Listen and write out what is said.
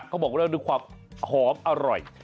เขาบอกว่าดูความหอมอร่อย